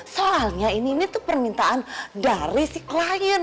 soalnya ini tuh permintaan dari si klien